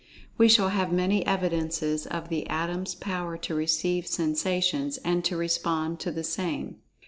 We shall have many evidences of the Atom's power to receive sensations, and to respond to the same.